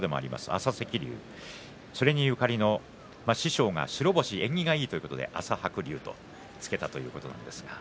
朝赤龍それにゆかりの師匠が白星で縁起がいいということで朝白龍と付けたということです。